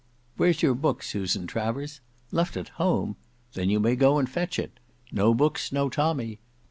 "Where's your book, Susan Travers! Left at home! Then you may go and fetch it. No books, no tommy.